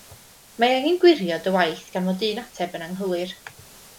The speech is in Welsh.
Mae angen gwirio dy waith gan fod un ateb yn anghywir